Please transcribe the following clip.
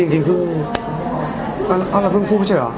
เอ้าจริงพึ่งอ้าวแล้วพึ่งพูดไม่ใช่เหรอ